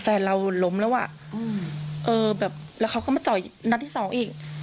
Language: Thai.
แฟนเราล้มแล้วอ่ะอืมเออแบบแล้วเขาก็มาต่อยนัดที่สองอีก